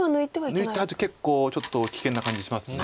抜いたあと結構ちょっと危険な感じします。